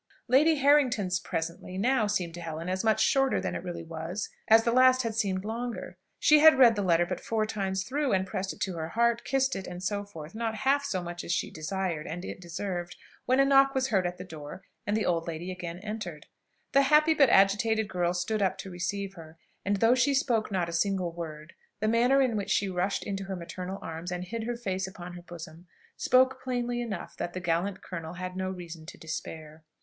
Lady Harrington's presently now seemed to Helen as much shorter than it really was as the last had seemed longer. She had read the letter but four times through, and pressed it to her heart, kissed it, and so forth, not half so much as she desired, and it deserved, when a knock was heard at the door, and the old lady again entered. The happy, but agitated girl stood up to receive her, and though she spoke not a single word, the manner in which she rushed into her maternal arms, and hid her face upon her bosom, spoke plainly enough that the gallant colonel had no reason to despair.